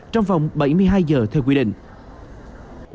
trong vòng bảy mươi hai giờ theo quy định